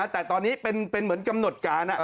แต่ตอนนี้เป็นเหมือนกำหนดการ